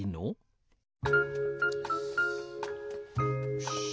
よし。